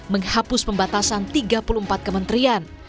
menghapus pembatasan tiga puluh empat kementerian